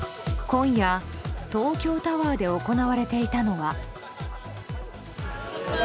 今夜、東京タワーで行われていたのは。